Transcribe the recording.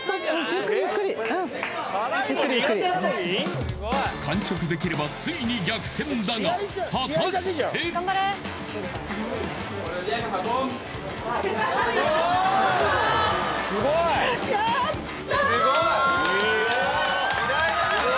ゆっくりゆっくり完食できればついに逆転だが果たしてやった！